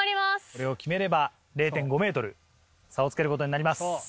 これを決めれば０．５ｍ差をつけることになります。